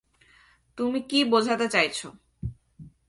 তুমি কি বোঝাতে চাইছো?